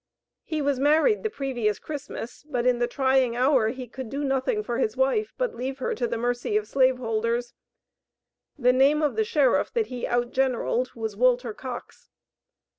He was married the previous Christmas, but in the trying hour could do nothing for his wife, but leave her to the mercy of slave holders. The name of the sheriff that he outgeneralled was Walter Cox.